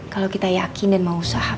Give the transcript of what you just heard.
kalau kita yakin dan mau saham